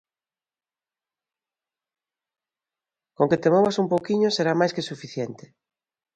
Con que te movas un pouquiño, será máis que suficiente.